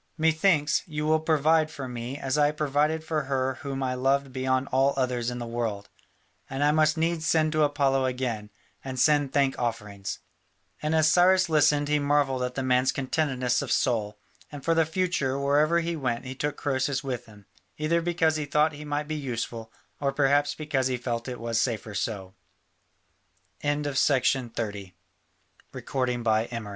Methinks, you will provide for me as I provided for her whom I loved beyond all others in the world, and I must needs send to Apollo again, and send thank offerings." And as Cyrus listened he marvelled at the man's contentedness of soul, and for the future wherever he went he took Croesus with him, either because he thought he might be useful or perhaps because he fe